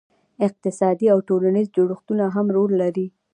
اقتصادي او ټولنیز جوړښتونه هم رول لري.